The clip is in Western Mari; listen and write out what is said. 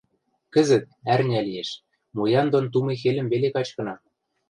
Кӹзӹт, ӓрня лиэш, муян дон тум эхельӹм веле качкына.